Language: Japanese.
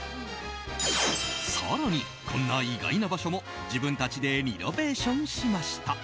更に、こんな意外な場所も自分たちでリノベーションしました。